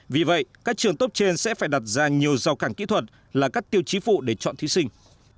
vì vậy các trường tốt trên sẽ phải đặt ra nhiều rào cản kỹ thuật là các tiêu chí phụ để chọn thí sinh